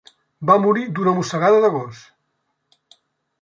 Va morir d'una mossegada de gos.